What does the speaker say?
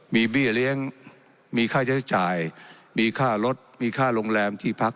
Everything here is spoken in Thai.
มีเบี้ยเลี้ยงมีค่าใช้จ่ายมีค่ารถมีค่าโรงแรมที่พัก